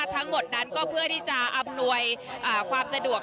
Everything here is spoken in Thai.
ทั้งหมดนั้นก็เพื่อที่จะอำนวยความสะดวก